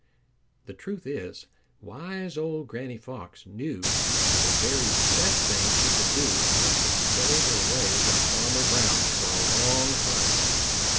The truth is, wise old Granny Fox knew that the very best thing she could do was to stay away from Farmer Brown's for a long time.